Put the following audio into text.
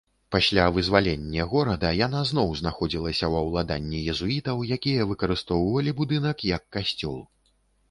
Пасля вызваленне горада яна зноў знаходзілася ва ўладанні езуітаў, якія выкарыстоўвалі будынак як касцёл.